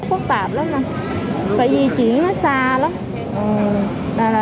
phát tạp lắm nè phải di chuyển nó xa lắm